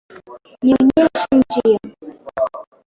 Nionyeshe njia.